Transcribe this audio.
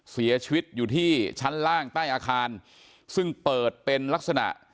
เสียชีวิตอยู่ที่ชั้นล่างใต้อาคารซึ่งเปิดเป็นลักษณะ